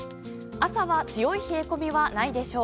朝は強い冷え込みはないでしょう。